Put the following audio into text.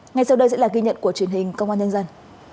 ngay sau đây sẽ là ghi nhận của truyền hình công an nhân dân